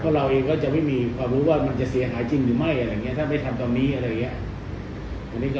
เราเองก็จะไม่มีความรู้ว่ามันจะเสียหายจริงหรือไม่อะไรอย่างนี้ถ้าไม่ทำตอนนี้อะไรอย่างนี้